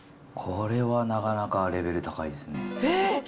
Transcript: これはなかなかレベル高いですね。